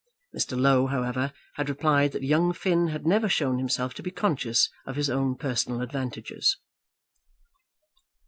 Mr. Low, however, had replied that young Finn had never shown himself to be conscious of his own personal advantages.